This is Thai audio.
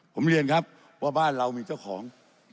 ผมเรียนครับว่าบ้านเรามีเจ้าของ